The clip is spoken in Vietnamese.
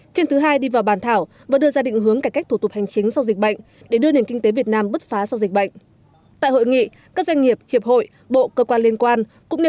phiên thứ hai đi vào bàn thảo và đưa ra định hướng cải cách thủ tục hành chính sau dịch bệnh để đưa nền kinh tế việt nam bứt phá sau dịch bệnh